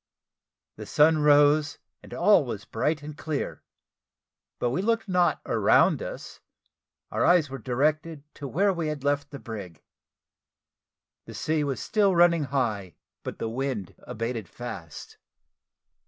The sun rose, and all was bright and clear; but we looked not around us, our eyes were directed to where we had left the brig. The sea was still running high but the wind abated fast.